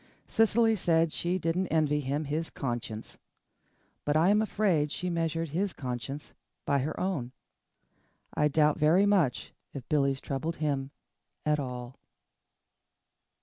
Cecily said she didn't envy him his conscience. But I am afraid she measured his conscience by her own. I doubt very much if Billy's troubled him at all.